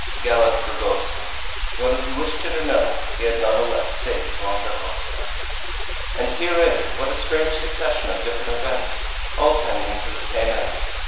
Gallant Fragoso! Whether he wished it or no, he had none the less saved Joam Dacosta! And herein what a strange succession of different events all tending to the same end.